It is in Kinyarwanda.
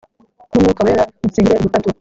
n'umwuka wera , nsingize ubutatu.